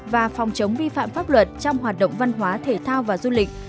và phòng chống vi phạm pháp luật trong hoạt động văn hóa thể thao và du lịch